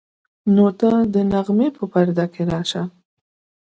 نو ته د نغمې په پرده کې راشه.